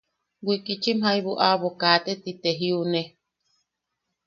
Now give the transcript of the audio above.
Wikichim jaibu aʼabo kaate ti te jiune.